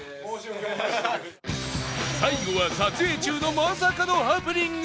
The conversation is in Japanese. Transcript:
最後は撮影中のまさかのハプニング！